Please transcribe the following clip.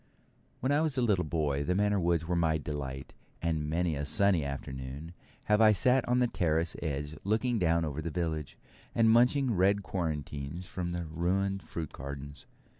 When I was a little boy the Manor woods were my delight, and many a sunny afternoon have I sat on the terrace edge looking down over the village, and munching red quarantines from the ruined fruit gardens.